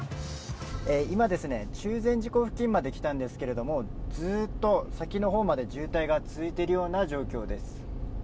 今、中禅寺湖付近まで来たんですけれど、ずっと先の方まで渋滞が続いているような状況です。